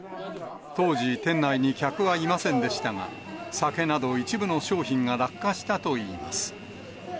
当時、店内に客はいませんでしたが、酒など、一部の商品が落下したといいます。